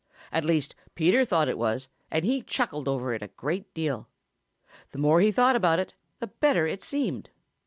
At least Peter thought it was, and he chuckled over it a great deal. The more he thought about it, the better it seemed.